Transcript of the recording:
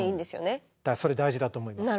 それ大事だと思います。